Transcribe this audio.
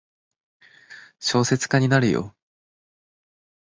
小説家になるよ。